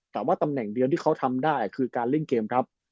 แต่ว่าตำแหน่งเดียวที่เขาทำได้คือการเล่นเกมครับ